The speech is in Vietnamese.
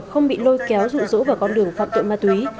không bị lôi kéo rụ rỗ vào con đường phạm tội ma túy